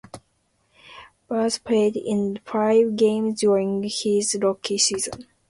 Bars played in five games during his rookie season.